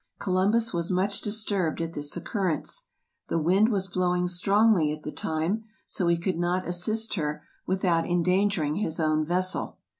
Columbus was much disturbed at this occurrence. The wind was blowing strongly at the time, so he could not assist her without endangering his own vessel.